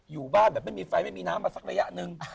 อยู่บ้านแบบไม่มีไฟไม่มีน้ำมาสักระยะหนึ่ง